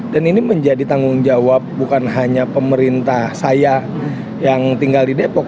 dan ini menjadi tanggung jawab bukan hanya pemerintah saya yang tinggal di depok